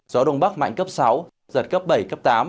gió đông bắc mạnh cấp sáu giật cấp bảy cấp tám